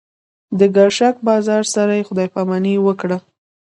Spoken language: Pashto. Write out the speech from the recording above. د ګرشک بازار سره خدای پاماني وکړه.